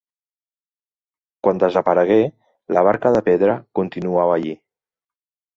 Quan desaparegué, la barca de pedra continuava allí.